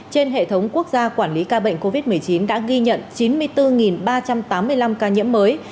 trên hệ thống quốc gia quản lý ca bệnh covid một mươi chín đã ghi nhận chín mươi bốn ba trăm tám mươi năm ca nhiễm mới